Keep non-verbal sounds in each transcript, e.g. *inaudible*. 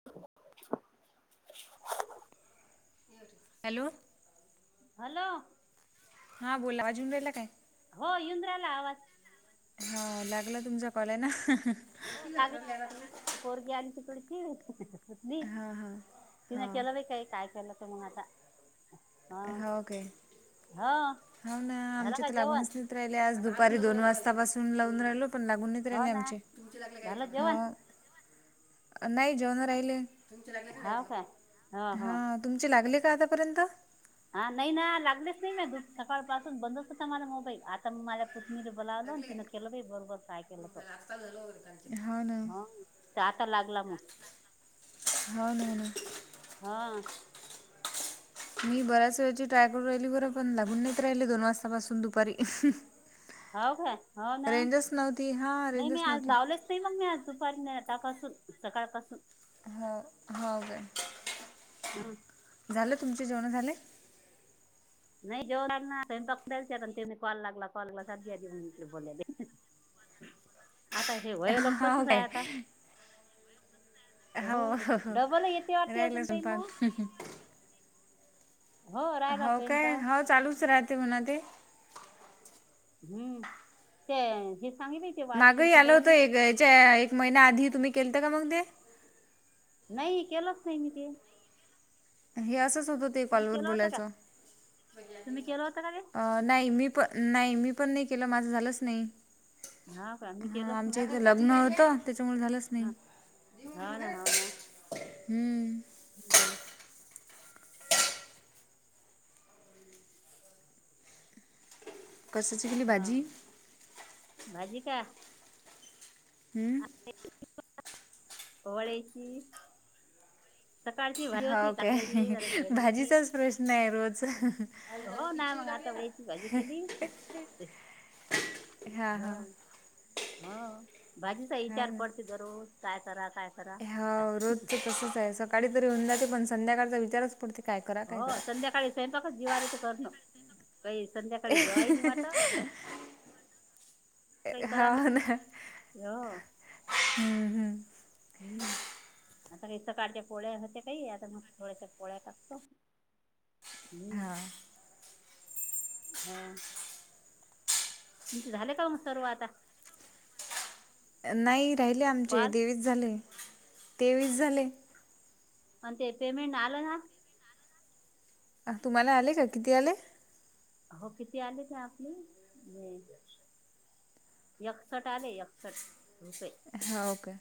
ह hello hello हा बोला अजून वेला काय हो येवुन रायला आवाज हा लागलं तुमचा कॉल ना हो लागला आता ते माय पोरगी आली तिकडची होत्नी हां तिन हां केलं ब काय काय केलं तो मग आता ह हा ओके हो होवना झालं आमच्या का तर जेवण लागूनच पेहल आज दुपारी दोन वाजतापसून लाव राहिलो पण ला गुनत राहिले हो नाही ना झालं आमचे जेवण हा नाही जेवण राहिले हाव काय हो हो हा तुमचे लागले का आतापर्यंत हा नाही ना लागलेच नाही म दू सकाळ पासून बंदचत मला मोबाईल आता माझ पुत तिनेबला आलो तन केलवेे बरोबर काय केलतो हा ना तर आता लागला मग हो ना ना हा मी बऱ्याच वेळेची ट्राय करू राहिली बरं पण लागून नाहीेत राहिले दोन वाजतापासून दुपारी हो काय हो ना रेंजच नव्हती हां नाही रेंजच मी आज नव्हती लावलेच तरी मग मी आज दुपारी आतापासून सकाळपासून हा हाव काय? *unintelligible* झालं तुमचे जेवणं झाले? *unintelligible* आता हे वय लोक हो तसच काय आहे आता. हो. हाव डबल येते वाटते अजून राहिलं ताई मग स्वयंपाक. हो राहिला हाव काय स्वयंपाक हो चालूच राहते म्हणा ते. हम्म ते हे सांग बाई मागं ही आलं होतं एक याच्या एक महिना आधी तुम्ही केलता का मग ते? नाही केलंच नाही मी ते. हे असंच होतं ते तुम्ही कॉलवर केलं होतं का? बोलायचं तुम्ही केलं होतं का ते अ नाही मी प नाही मी पण नाही केला माझं झालचं नाही हा का मी हा केलंच आमच्या नव्हतं केला नव्हतं त्याच्यामुळे झालस हा हो ना हो ना हम्म. हम्म. कसाची केली हा भाजी? भाजी काय हम्म. वडेची सकाळची भाजी होती हो काय कारल्याचीे भाजीचाच प्रश्न आहे रोज *unintelligible* हो ना मग आता वे भाजी केली हा हा भाजीचा हा विचार ना पड दररोज काय करा काय करा हाव रोजचा तसच आहे सकाळी तरी होऊन जाते पण संध्याकाळचा विचारच पडते काय करा काय हो करा संध्याकाळी स्वयंपाकच जीवा रेती करनं काही संध्याकाळी जेवाय नाही वाट काही करा हा ना नाही. हो हम्म हम्म. हम्म. आता काय सकाळच्या पोळ्या होते काही आता मग थोड्यासा पोळ्या टाकतो. हम्म हा हा. तुमचे झाले काम सर्व आता. नाही राहिले आमचे कॉल देवीस झाले तेवीस झाले. आणि ते पेमेंट आलं ना? अ तुम्हाला आले का किती आले? हो किती आलेच आपले. *unintelligible* एकसठ आले एकसठ रुपये. हाव काय?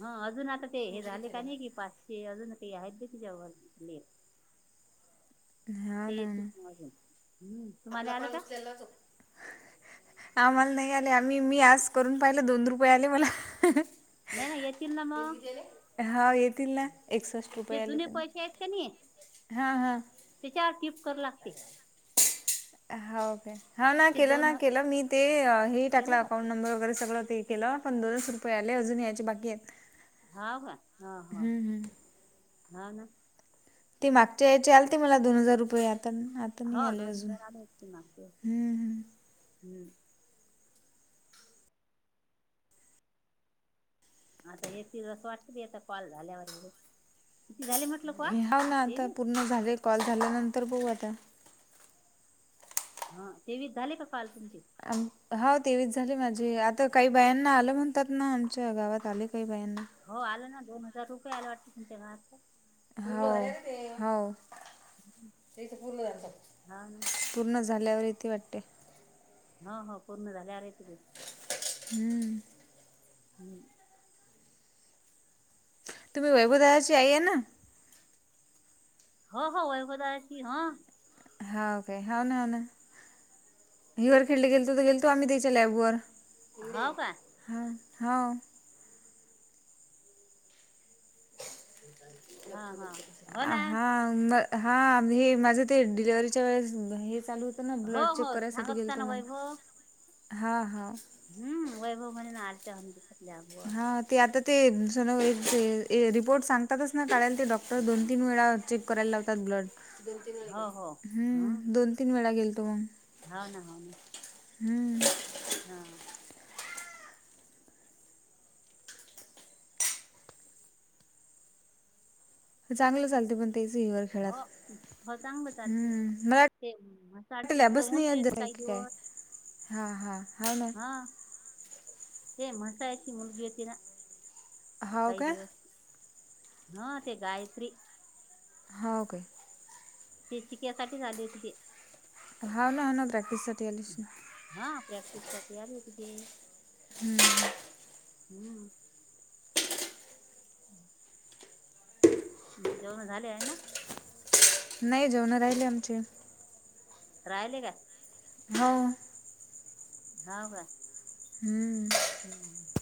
हा अजून आता ते हे झाले का नाही कि पाचशे अजून ते आहेत नाही. *unintelligible* ते एक *unintelligible* अजून हम्म. आपला तुम्हाला आलं पण का केलाच हो. आम्हाला नाही आले आम्ही मी मी आज करून पाहिलं दोन रुपये आले मला. नाही नाही येतील ना मग हा येतील ना एकसष्ट ते रुपये आले जुने त्यांना. पैसे आहेत का नाही हा हा. त्याच्यावर किप कर लागते. हाव काय हाव ना ते केलं दोन ना ह- केलं मी ते हे टाकलं केलं का अकाउंट नंबर वगैरे सगळं ते केला पंदरा सौ रुपये आले अजून यायचे बाकी आहेत. हाव का हा हा हम्म हम्म हा ना. ते मागच्या याचे आलते मला दोन हजार रुपये आता नाय हाव दोन हजार आले मागचे वेळचे हम्म. आता *unintelligible* वाटते बी आता कॉल झाल्यावर झा *unintelligible* हाव ना आता पूर्ण झाले कॉल झाल्यानंतर बघू आता. हा तेवीस झाले का काल तुमचे? आ हा तेवीच झाली माझी आता काही बायांना आलं म्हणतात ना आमच्या गावात आले काही बायांना हो आलं ना दोन हजार रुपये आले वाटतं तुमच्या गावातल्या हो हो पूर्ण हा ना *inaudible* पूर्ण झाल्यावर येते वाटते. हो हो पूर्ण झाल्यावर येते ते. हम्म. हम्. तुम्ही वैभवदादाची आईे आहे ना? हो हो वैभव दादाची हा हाव काय हा ना ह ना हिवर खेळले गेलतो तर गेलतो आम्ही त्याच्या लॅब वर. हो का. हा हाव. ते काय *inaudible* अ हा. म हा हे माझं ते डिलेवर्हीच्या वेळेस हे चालू ना हो ब्लड हो सांगत होता ना वैभव. हा हाव. हम्, वैभव म्हणे *unintelligible* आतेम हा. ते आता ते सोनोग्राफी चे रिपोर्ट सांगतातच ना कढायला ते डॉक्टर दोन तीन वेळा चेक करायला लावतात ब्लड, हो हो ह हम दोन तीन वेळा गेल तो मग. हो ना, हो ना, हम्म. हा. चांगलं चालते पण तेच *unintelligible* ह हो हो चांगलं चालते मला तेडखस *unintelligible* तर मुल घेती काही दिवस हा, हा, हाव ना. हा, ते म्हसाळा ची मुलगी होती ना. काय दिवस, हा ते गायत्री हो काय. ते शिकण्यासाठीच आली होती ती. हा ना, हा ना, प्रॅक्टिस साठी आली असेल. हा प्रॅक्टिस साठी आली होती ती. हम्म. हम्म. हम्म *inaudible* जेवण झाले आहे ना? नाही जेवणं राहिली आमचे. राहिले का. हो. हाव काय. हम्म. हम्म *inaudible*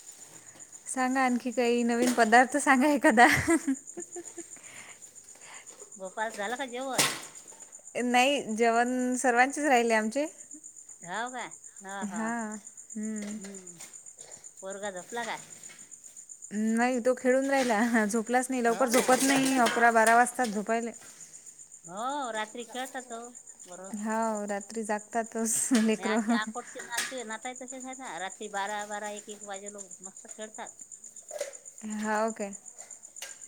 हम *unintelligible* सांगा आणखी काही नवीन पदार्थ सांगा एखादा. गोपाळ झाला का जेवण? नाही जेवण सर्वांचेच राहिले आहे आमचे. जाव का ह ह हां हम्म. हम् पोरगा झपला का. नाही तो खेळून राहिला झोपलाच नाही लवकर हो का झोपत नाही खेळतात ते अकरा बारा वाजता रात्री झोपायला हो रात्री खेळत तो बर हा रात्री जागतातच लेकर. तू नाताय तसे ख ना रात्री बारा बारा एक एक वाजे लोक मस्त खेळतात. हाऊ काय.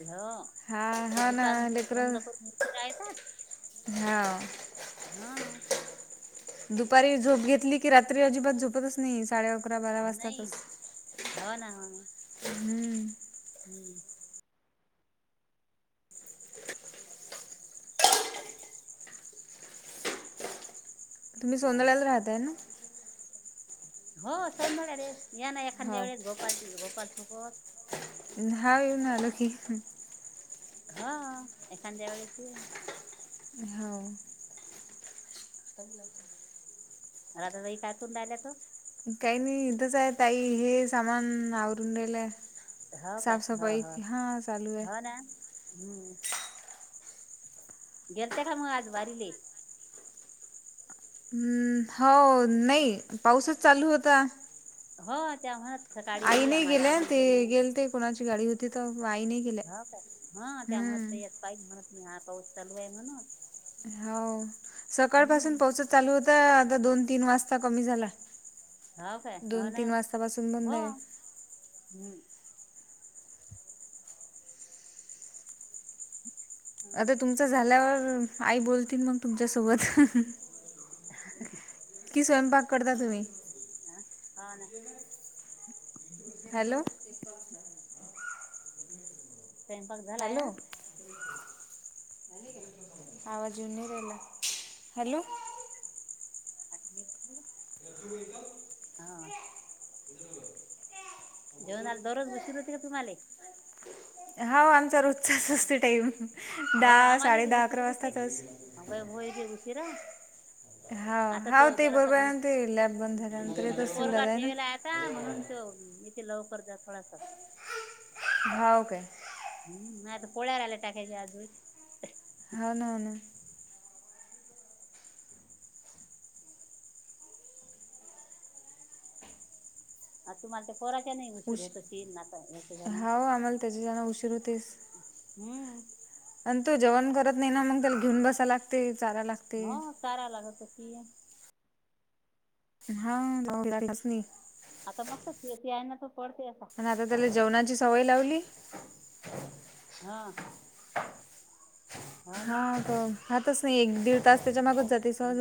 हो हा ते हा ना दुकान तर बंद लेकरं करून रा येतात. हाव हा. दुपारी झोप घेतली की रात्री अजिबात झोपतच नाही साडे अकरा बारा नाही वाजतातच ह ना ह. हम्म. हम्म. तुम्ही हो सोनलाला राहताय ना. हो सौन्या रेस या ना एखाद्या हो वेळेस गोपाल गोपाल सुकत. हा येऊ नालं की. ह एकंद्या वेळेस. हो. *inaudible* राधा ताई काय करून राहिले ओ? काही नाही इथंच आहे त आई हे सामान आवरून रालंय. हो काय हो हो आहे हो ना हम्म. गेलते का मग आज वारीले. हम्म हो नाही पाऊसच चालू होता. हो तेव्हाच. आई नाही गेले ते गेल ते कोणाची गाडी होती तर आई नाही गेल्या हा का हा त्या मह हम्म यात पाहिज म्हणत मी हा पाऊस चालू आहे म्हणून. हो हम्म सकाळपसून पाऊसच चालू होता आता दोन तीन वाजता कमी झालं. हो काय हो ना बंद हो आहे ह् हो आता तुमचं झाल्यावर आई बोलतील मग तुमच्यासोबत. *unintelligible* की स्वयंपाक करता तुम्ही? हा होय ना. हॅलो. स्वयंपाक झालाय हॅलो ना. आवाज येऊ नाही रहिला हॅलो. *unintelligible* *inaudible* हा जेवणाला दररोज बसर होते का तुम्हाले? हा आमचा रोजचाच असते टाईम दहा साडे दहा अकरा वाजतातच. अ काय होती उशीरा. हाव आता तो हाव ते जरा बरोबर सगळी आहे ना ते लॅब बंद झाल्यानंतर हम येत ते असतील पोरगा दादा आहे ना ठेवला आता म्हणून तो. हम् इथे लवकर जा कोळसा. *unintelligible* हाव काय. हम् आता पोळ्यार आल्या टाकायच्या आजून. हा ना ना. आ तुम्हालाच्या पोराच्या नाही उशीर उश होत शील नाता याच जण. हाव आम्हाला त्याच्यानं उशीर होतेच हम्म. आणि तो जेवण करत नाही ना मग त्याला घेऊन बसाय लागते चारय लागते हो चारा लागत तशी आहे. *inaudible* आता मस्त शेती आहे ना तो पडते असा. त्याल जेवणाची सवय लावली. हा. हा तर हातच नाही एक दीड तास त्याच्या मागच जाते सहज.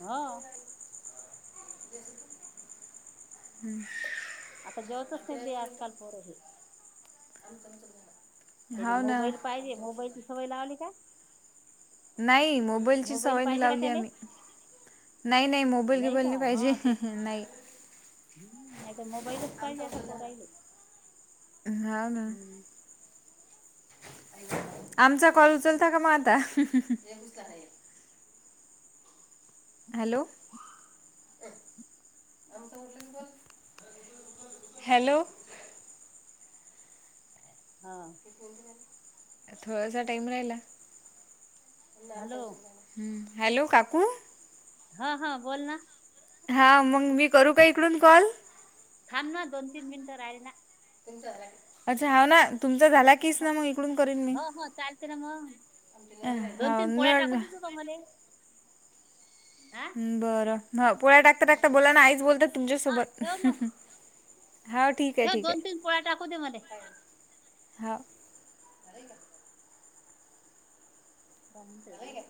हा. हम्म. आता जेवतच नाही ते आजकाल पुरं बी. *inaudible* तेरी हाव ना मोबाईल पाहिजे मोबाईलची सवय लावली का? नाही मोबाईल ची सवय नाही पाहिजे का लावली त्याले आम्ही. नाही नाही मोबाईल घेबाल नाही पाहिजे नाही. हम् नाही तर मोबाईलच पाहिजे आता पोराहिले. हा ना. आमचा कॉल उचलता का म आता. हॅलो. हॅलो. हा. थोडासा टाईम राहिला. हॅलो हम्म हॅलो काकू. हा हा बोल ना. हा मग मी करू का इकडून कॉल? थांब ना दोन तीन मिनिटं राहिला ना. अच्छा हा ना तुमचा झाला. नक्कीच ना मग इकडून करीन मी. हो हो चालते ना मग तो म्हणे बरं पोळ्या टाकता टाकता बोला ना आईच बोलतात हा तुमच्यासोबत. ठेव मग हा. ठेव दोन तीन पोळ्या टाकू दे मले. हा. आणून ठेवले का?